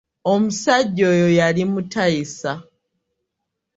Omusajja oyo yali mutayisa.